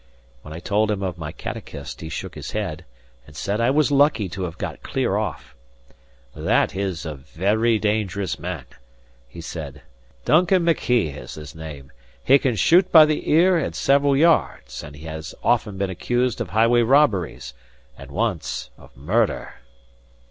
When I told him of my catechist, he shook his head, and said I was lucky to have got clear off. "That is a very dangerous man," he said; "Duncan Mackiegh is his name; he can shoot by the ear at several yards, and has been often accused of highway robberies, and once of murder."